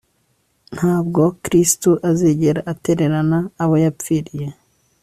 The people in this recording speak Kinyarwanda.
Ntabwo Kristo azigera atererana abo yapfiriye